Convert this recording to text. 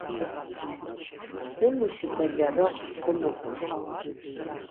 Псым ущыбэлэрыгъ хъунукъым.